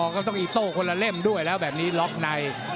ก็ต้องอีโต้คนละเล่มด้วยแล้วแบบนี้ล็อกใน